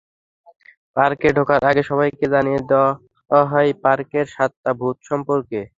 পার্কে ঢোকার আগে সবাইকে জানিয়ে দেওয়া হয়, পার্কের সাতটা ভূত সম্পর্কে।